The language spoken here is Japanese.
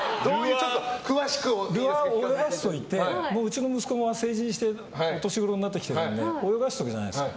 ルアーを出しておいてうちの息子が成人して年頃になってきてるので泳がしておくじゃないですか。